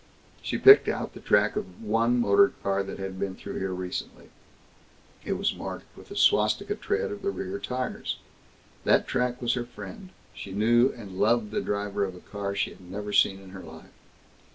She picked out the track of the one motor car that had been through here recently. It was marked with the swastika tread of the rear tires. That track was her friend; she knew and loved the driver of a car she had never seen in her life.